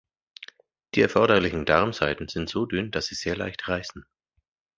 Die erforderlichen Darmsaiten sind so dünn, dass sie sehr leicht reißen.